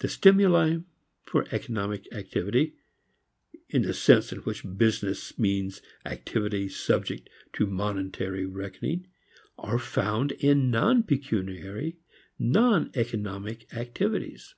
The stimuli for economic activity (in the sense in which business means activity subject to monetary reckoning) are found in non pecuniary, non economic activities.